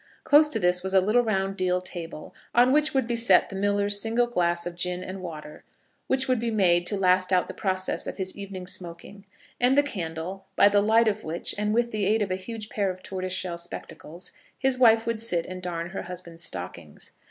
Close to this was a little round deal table, on which would be set the miller's single glass of gin and water, which would be made to last out the process of his evening smoking, and the candle, by the light of which, and with the aid of a huge pair of tortoise shell spectacles, his wife would sit and darn her husband's stockings.